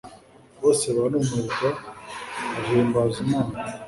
Bose barumirwa, bahimbaza Imana,